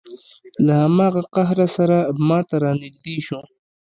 له هماغه قهره سره ما ته را نږدې شو.